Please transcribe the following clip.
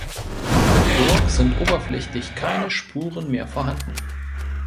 Von der Burg sind oberflächlich keine Spuren mehr vorhanden.